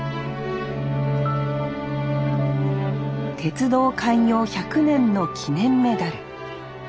鉄道開業１００年の記念メダル。